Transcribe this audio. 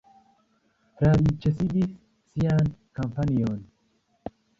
La li ĉesigis sian kampanjon.